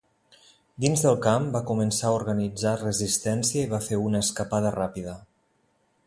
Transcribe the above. Dins del camp, va començar a organitzar resistència i va fer una escapada ràpida.